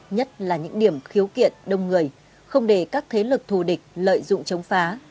nhất là những điểm khiếu kiện đông người không để các thế lực thù địch lợi dụng chống phá